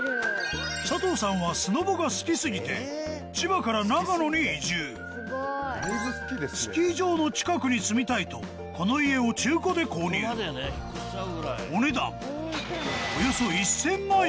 佐藤さんはスノボが好きすぎてスキー場の近くに住みたいとこの家を中古で購入お値段およそ１０００万円